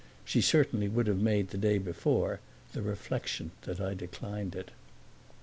She certainly would have made the day before the reflection that I declined it.